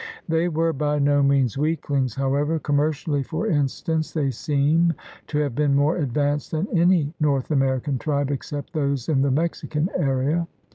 They were by no means weaklings, however. Commercially, for instance, they seem to have been more advanced than any North American tribe except those in the Mexican area.